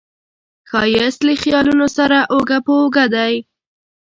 ښایست له خیالونو سره اوږه په اوږه دی